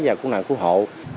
và cung năng cứu hộ